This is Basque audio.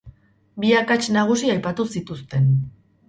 Bi akats nagusi aipatu zituzten.